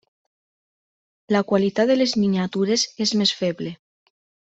La qualitat de les miniatures és més feble.